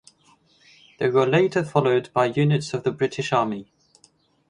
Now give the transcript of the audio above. They were later followed by units of the British Army.